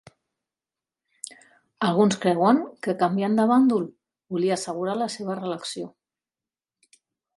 Alguns creuen que canviant de bàndol volia assegurar la seva reelecció.